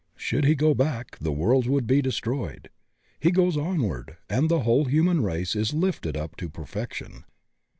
Should he go back the worlds would be destroyed; he goes onward, and the whole human race is lifted up to perfection.